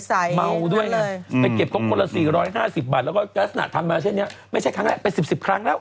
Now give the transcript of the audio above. ไปเก็บเค้ากละ๔๕๐บาทแล้วก็กลั๊สหนาทำมาเช่นนี้ไม่ใช่ครั้งแรกเป็น๑๐๑๐ครั้งแล้ว